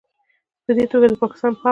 پدې توګه، د پاکستان پوځ